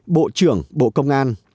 bộ trưởng bộ công an